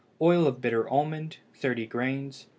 Oil of bitter almond 30 grains.